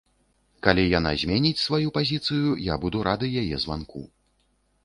Калі яна зменіць сваю пазіцыю, я буду рады яе званку.